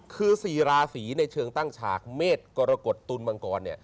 คือ๔ราศีในเชิงตั้งฉากเมษกรกฎตุลมังกร